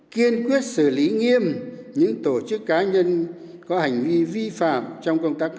kiên quyết xử lý nghiêm những tổ chức cá nhân có hành vi vi phạm trong công tác